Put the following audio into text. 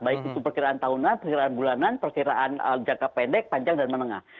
baik itu perkiraan tahunan perkiraan bulanan perkiraan jangka pendek panjang dan menengah